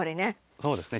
そうですね。